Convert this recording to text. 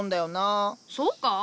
そうか？